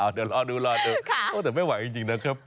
เอาเดี๋ยวรอดูโปรดเตอร์ไม่ไหวจริงนะครับ